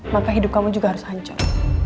maka hidup kamu juga harus hancur